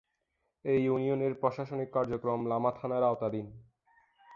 এ ইউনিয়নের প্রশাসনিক কার্যক্রম লামা থানার আওতাধীন।